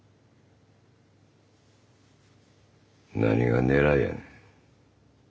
何が狙いやねん。